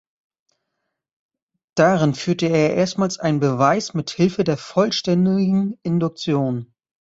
Darin führte er erstmals einen Beweis mit Hilfe der vollständigen Induktion.